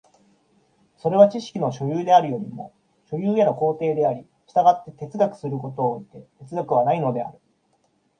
それは知識の所有であるよりも所有への行程であり、従って哲学することを措いて哲学はないのである。